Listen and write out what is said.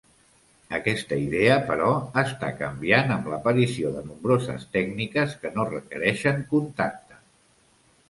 Aquesta idea, però, està canviant amb l'aparició de nombroses tècniques que no requereixen contacte.